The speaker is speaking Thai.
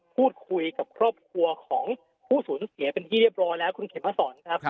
พูดคุยกับครอบครัวของผู้สูญเสียเป็นที่เรียบร้อยแล้วคุณเข็มมาสอนครับ